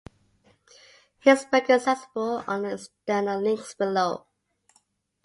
His book is accessible under the External links below.